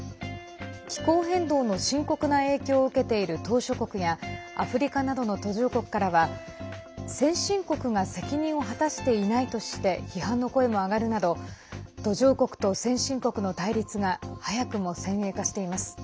気候変動の深刻な影響を受けている島しょ国やアフリカなどの途上国からは先進国が責任を果たしていないとして批判の声も上がるなど途上国と先進国の対立が早くも先鋭化しています。